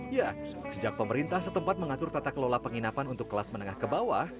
ya sejak pemerintah setempat mengatur tata kelola penginapan untuk kelas menengah ke bawah